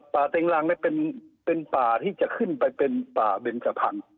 ป่าเต็งรังเนี่ยเป็นป่าที่จะขึ้นไปเป็นป่าเบนจภัณฑ์